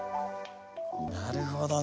なるほどね。